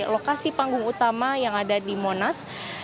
lokasi panggung utama yang ada di monas